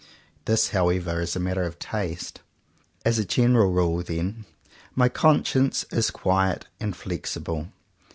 This how ever is a matter of taste. As a general 74 JOHN COWPER POWYS rule, then, my conscience is quiet and flexible.